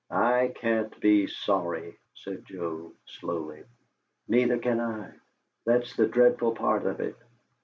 "I can't be sorry," said Joe, slowly. "Neither can I. That's the dreadful part of it!